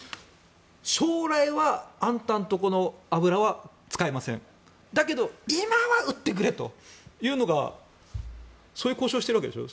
将来はあんたのところの油は使いませんだけど今は売ってくれというのがそういう交渉をしているわけでしょ。